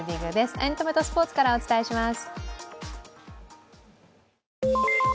エンタメとスポーツからお伝えします。